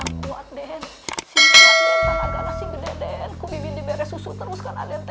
aduh aduh ya allah ya allah deh nyangkut deh si gede gede beres beres terus kan ada